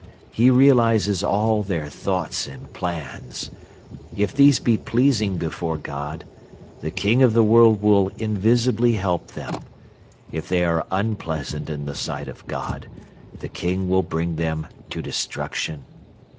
He realizes all their thoughts and plans. If these be pleasing before God, the King of the World will invisibly help them; if they are unpleasant in the sight of God, the King will bring them to destruction.